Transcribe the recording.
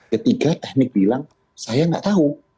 ketiga teknik bilang saya nggak tahu